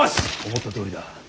思ったとおりだ。